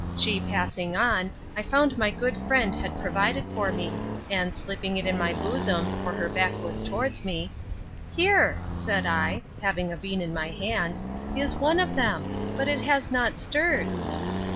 She passing on, I found my good friend had provided for me; and, slipping it in my bosom, (for her back was towards me,) Here, said I, (having a bean in my hand,) is one of them; but it has not stirred.